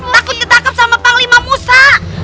takut ketakam sama panglima musa